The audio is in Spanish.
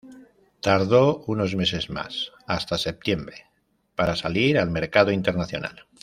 Tardó unos meses más, hasta septiembre, para salir al mercado internacional.